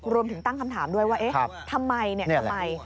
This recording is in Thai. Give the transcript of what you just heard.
รวมถึงตั้งคำถามด้วยว่าเอ๊ะทำไมทำไม